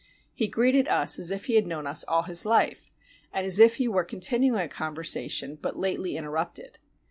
He greeted us as if he had known us all his life, and as if he were continuing a conversation but lately interrupted.